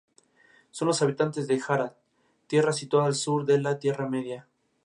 En ese torneo, jugó en otros cinco partidos.